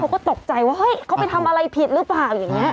เขาก็ตกใจว่าเฮ้ยเขาไปทำอะไรผิดหรือเปล่าอย่างนี้